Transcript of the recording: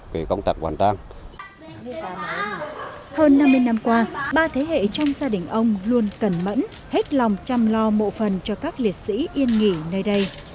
hơn năm mươi năm qua ba thế hệ trong gia đình ông luôn cẩn mẫn hết lòng chăm lo mộ phần cho các liệt sĩ yên nghỉ nơi đây